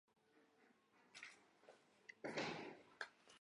弗勒里涅人口变化图示